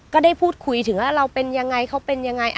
ก็ได้พูดคุยถึงว่าเราเป็นยังไงเขาเป็นยังไง